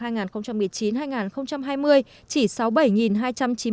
năm hai nghìn một mươi chín hai nghìn hai mươi chỉ sáu mươi bảy hai trăm chín mươi chín